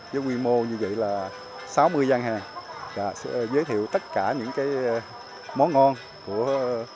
với quy mô như vậy là sáu mươi gian hàng giới thiệu tất cả những món ngon của